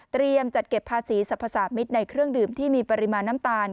จัดเก็บภาษีสรรพสามิตรในเครื่องดื่มที่มีปริมาณน้ำตาล